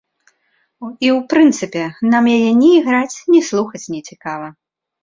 І ў прынцыпе, нам яе ні іграць, ні слухаць нецікава.